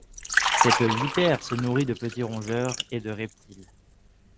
Cette vipère se nourrit de petits rongeurs et de reptiles.